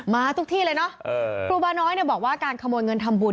มาทุกที่เลยเนอะครูบาน้อยเนี่ยบอกว่าการขโมยเงินทำบุญ